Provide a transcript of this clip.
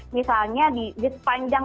misalnya di sepanjang